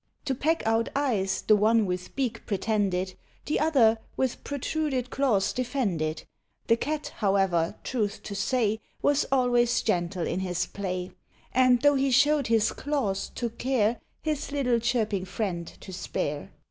To peck out eyes the one with beak pretended, The other with protruded claws defended. The Cat, however, truth to say, Was always gentle in his play; And though he showed his claws, took care His little chirping friend to spare.